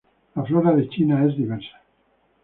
La Flora of China es diversa.